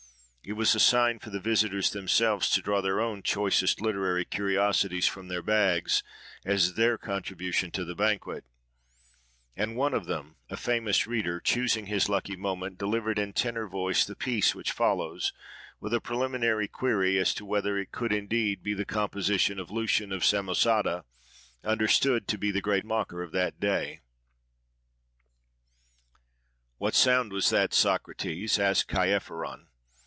It was a sign for the visitors themselves to draw their own choicest literary curiosities from their bags, as their contribution to the banquet; and one of them, a famous reader, choosing his lucky moment, delivered in tenor voice the piece which follows, with a preliminary query as to whether it could indeed be the composition of Lucian of Samosata,+ understood to be the great mocker of that day:— "What sound was that, Socrates?" asked Chaerephon.